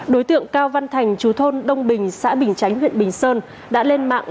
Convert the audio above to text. đối tượng cao văn thành chú thôn đông bình xã bình chánh huyện bình sơn đã lên mạng